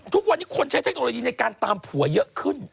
ทุกวันนี้คนใช้เทคโนโลยีในการตามผัวเยอะขึ้น